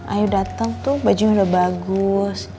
ayu dateng tuh bajunya udah bagus